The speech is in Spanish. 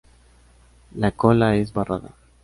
La cola es barrada.